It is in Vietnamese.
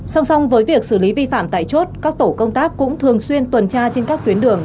song song với việc xử lý vi phạm tại chốt các tổ công tác cũng thường xuyên tuần tra trên các tuyến đường